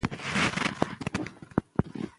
پښتني ماشومان بايد له خپل کلتور سره بلد شي.